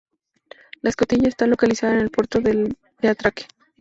La escotilla está localizada en el puerto de atraque.